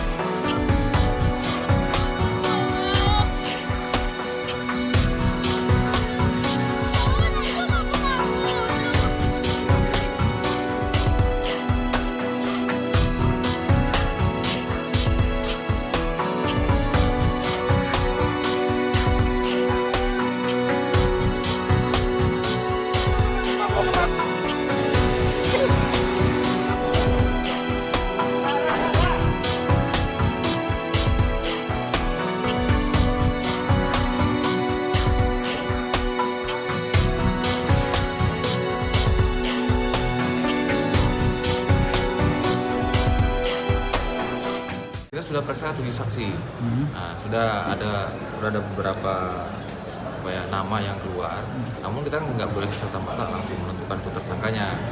kita sudah periksa tujuh saksi sudah ada beberapa nama yang keluar namun kita tidak boleh langsung menentukan penutupan tersangkanya